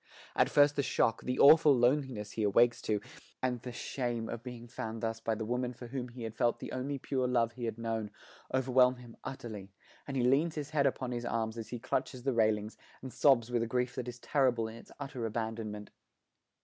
At first the shock, the awful loneliness he awakes to, and the shame of being found thus by the woman for whom he had felt the only pure love he had known, overwhelm him utterly, and he leans his head upon his arms as he clutches the railings, and sobs with a grief that is terrible in its utter abandonment.